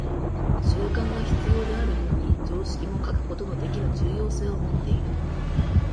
習慣が必要であるように、常識も欠くことのできぬ重要性をもっている。